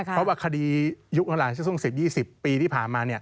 เพราะว่าคดียุคเมื่อหลายช่วง๑๐๒๐ปีที่ผ่านมา